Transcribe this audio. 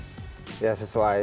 ya sesuai ekspektasi